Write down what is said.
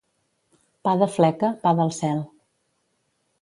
Pa de fleca, pa del cel.